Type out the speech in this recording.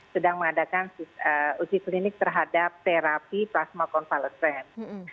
sedang mengadakan uji klinik terhadap terapi plasma konvalesen